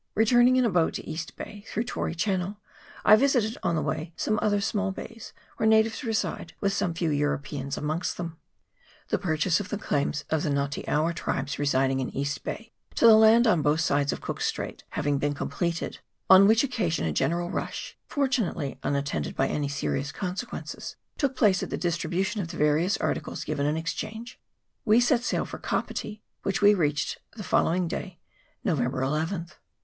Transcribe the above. Returning in a boat to East Bay, through Tory Channel, I visited on the way some other small bays, where natives reside with some few Europeans amongst them. The purchase of the claims of the Nga te awa tribes residing in East Bay to the land on both sides of Cook's Straits having been completed, on which occasion a general rush fortunately unat tended by any serious consequences took place at the distribution of the various articles given in ex change, we set sail for Kapiti, which we reached the following day, November llth.